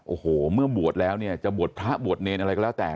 โอ้โหเมื่อบวชแล้วเนี่ยจะบวชพระบวชเนรอะไรก็แล้วแต่